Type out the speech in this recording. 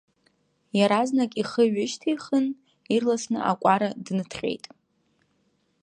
Иаразнак ихы ҩышьҭихын, ирласны акәара дныҭҟьеит.